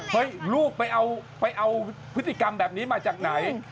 ลูกไปเอาพฤติกรรมแบบนี้มาจากไหน